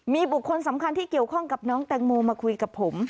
มีบุคคลสำคัญที่เกี่ยวข้องกับน้องแตงโมมาคุยกับผม